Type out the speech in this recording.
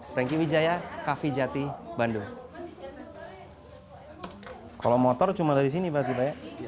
franky widjaya kvjati bandung